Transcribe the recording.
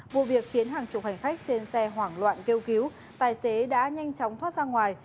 vụ việc khiến hàng chục hành khách trên xe hoảng loạn kêu cứu tài xế đã nhanh chóng thoát ra ngoài